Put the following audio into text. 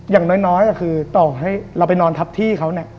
อย่างน้อยก็คือต่อให้เราไปนอนทับที่เขาเนี่ย